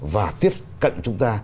và tiếp cận chúng ta